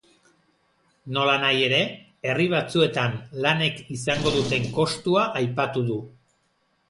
Nolanahi ere, herri batzuetan lanek izango duten kostua aipatu du.